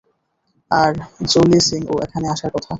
আর জোলি সিং ও এখানে আসার কথা।